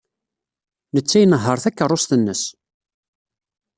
Netta inehheṛ takeṛṛust-nnes.